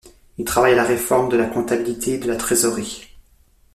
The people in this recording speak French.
Il travaille à la réforme de la comptabilité de la trésorerie.